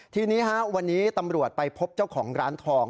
ทีนี้วันนี้ตำรวจไปพบเจ้าของร้านทอง